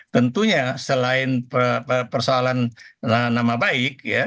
tentunya selain persoalan nama baik